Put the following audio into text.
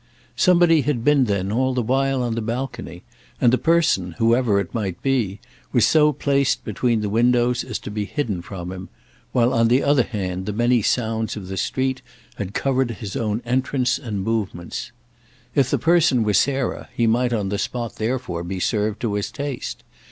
Somebody had been then all the while on the balcony, and the person, whoever it might be, was so placed between the windows as to be hidden from him; while on the other hand the many sounds of the street had covered his own entrance and movements. If the person were Sarah he might on the spot therefore be served to his taste.